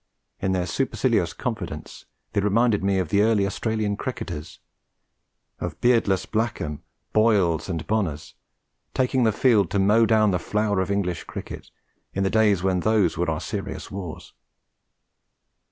In their supercilious confidence they reminded me of the early Australian cricketers, of beardless Blackham, Boyles and Bonnors taking the field to mow down the flower of English cricket, in the days when those were our serious wars.